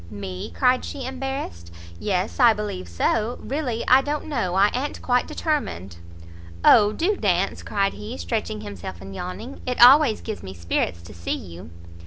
"Me?" cried she, embarrassed, "yes, I believe so, really I don't know, I a'n't quite determined." "O, do dance!" cried he, stretching himself and yawning, "it always gives me spirits to see you."